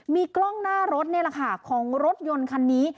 มีกล้องหน้ารถนี่แหละค่ะของรถยนต์คันนี้